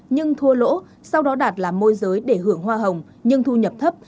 nhưng thua lỗ sau đó đạt là môi giới để hưởng hoa hồng nhưng thu nhập thấp